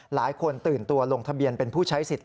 หลายคนตื่นตัวลงทะเบียนเป็นผู้ใช้สิทธิ